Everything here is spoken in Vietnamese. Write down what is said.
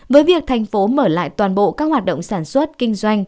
với việc thành phố mở lại toàn bộ các hoạt động sản xuất kinh doanh